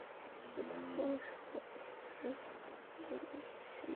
কোথাও সবার অনুদানে কবুতর ও মুরগি কেনা হয়ে থাকে।